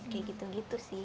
kayak gitu gitu sih